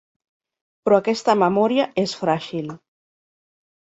Però aquesta memòria és fràgil.